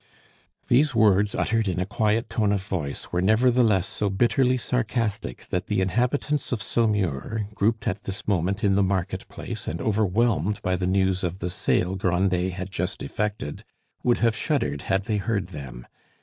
These words, uttered in a quiet tone of voice, were nevertheless so bitterly sarcastic that the inhabitants of Saumur, grouped at this moment in the market place and overwhelmed by the news of the sale Grandet had just effected, would have shuddered had they heard them.